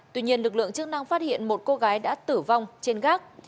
tuy nhiên lực lượng chức năng phát hiện một cô gái đã tử vong trên gác